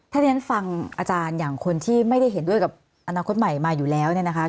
ถ้าที่ฉันฟังอาจารย์อย่างคนที่ไม่ได้เห็นด้วยกับอนาคตใหม่มาอยู่แล้วเนี่ยนะคะ